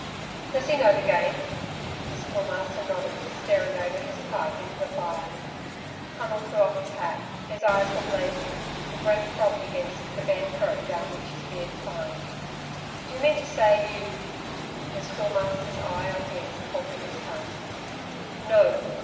"Does he know the game?" The Schoolmaster nodded, staring over his pipe into the fire. Conal threw off his hat. His eyes were blazing. The breath throbbed against the bare throat down which his beard climbed. "Do you mean to say, you " The Schoolmaster's eye on his, halted his tongue. "No.